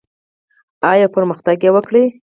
آیا او پرمختګ وکړي؟